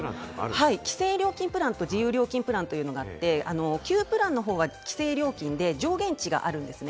規制料金プランと自由料金プランがあって旧プランの方は規制料金で上限値があるんです。